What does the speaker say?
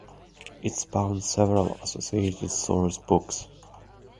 It spawned several associated sourcebooks.